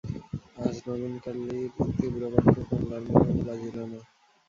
আজ নবীনকালীর তীব্রবাক্য কমলার মনেও বাজিল না।